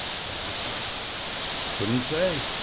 Hopelessly. "Couldn't say."